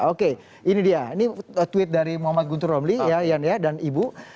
oke ini dia ini tweet dari muhammad guntur romli yan dan ibu